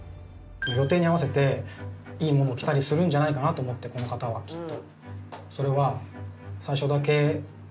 予定に合わせていいものを着たりするんじゃないかなと思ってこの方はきっと。